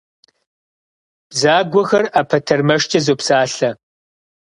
Бзагуэхэр ӏэпэтэрмэшкӏэ зопсалъэ.